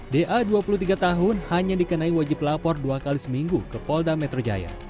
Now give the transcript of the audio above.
da dua puluh tiga tahun hanya dikenai wajib lapor dua kali seminggu ke polda metro jaya